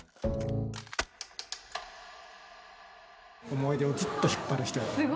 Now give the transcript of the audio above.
思い出をずっと引っ張る人やから。